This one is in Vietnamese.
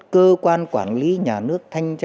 cơ quan quản lý nhà nước thanh tra